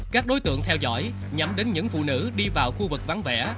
các đối tượng theo dõi nhằm đến những phụ nữ đi vào khu vực vắng vẻ